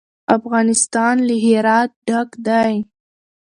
افغانستان له هرات ډک دی.